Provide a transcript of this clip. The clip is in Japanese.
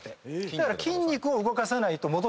だから。